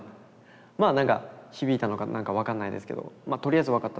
まあなんか響いたのかなんか分かんないですけど「とりあえず分かった。